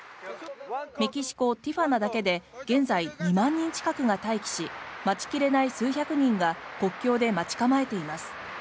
メキシコ・ティフアナだけで現在、２万人近くが待機し待ち切れない数百人が国境で待ち構えています。